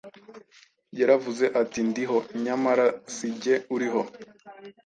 Yaravuze ati: “ndiho; nyamara si jye uriho,